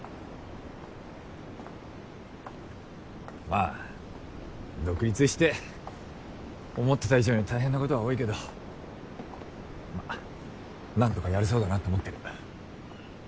まあ独立して思ってた以上に大変なことは多いけどまあ何とかやれそうだなと思ってる。